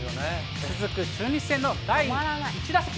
続く中日戦の第１打席。